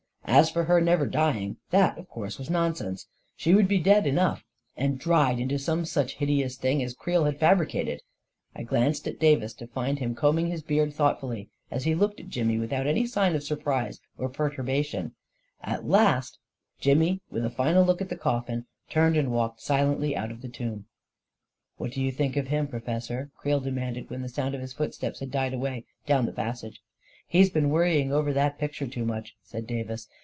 As for her never dying, that, of course, was nonsense. She would be dead enough, and dried into some such hideous thing as Creel had fabricated ••• I glanced at Davis, to find him combing his beard thoughtfully, as he looked at Jimmy without any sign of surprise or perturbation. And at last, A KING IN BABYLON 269 Jimmy, with a final look at the coffin, turned and walked silently out of the tomb. 44 What do you think of him, Professor? " Creel demanded, when the sound of his footsteps had died away down the passage. " He has been worrying over that picture too much," said Davis.